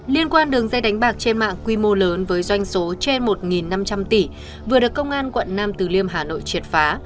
liên quan đường dây đánh bạc trên mạng quy mô lớn với doanh số trên một năm trăm linh tỷ vừa được công an quận nam từ liêm hà nội triệt phá